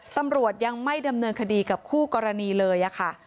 ตำรวจยังไม่ดำเนินคดีกับคู่กรณีเลยค่ะ